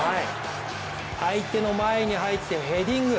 相手の前に入ってヘディング